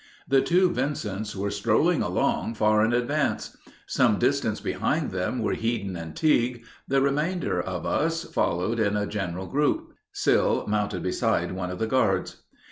The two Vincents were strolling along far in advance. Some distance behind them were Headen and Tigue; the remainder of us following in a general group, Sill mounted beside one of the guards.